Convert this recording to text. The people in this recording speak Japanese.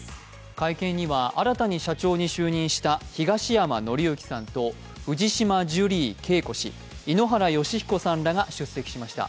会見には新たに社長に就任した東山紀之さんと藤島ジュリー景子氏井ノ原快彦さんらが出席しました。